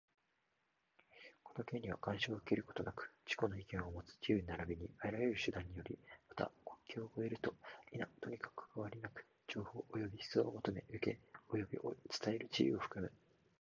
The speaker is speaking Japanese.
この権利は、干渉を受けることなく自己の意見をもつ自由並びにあらゆる手段により、また、国境を越えると否とにかかわりなく、情報及び思想を求め、受け、及び伝える自由を含む。